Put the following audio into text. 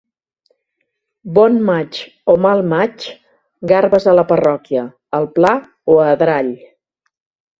Bon maig o mal maig, garbes a la Parròquia, al Pla o a Adrall.